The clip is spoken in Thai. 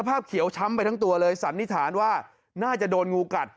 ภาพเขียวช้ำไปทั้งตัวเลยสันนิษฐานว่าน่าจะโดนงูกัด